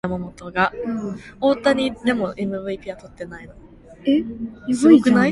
이렇게 기계를 소제하는 동안에도 기계의 운전은 쉬지 않았다.